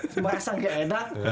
merasa kayak enak